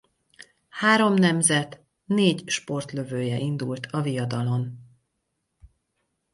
Három nemzet négy sportlövője indult a viadalon.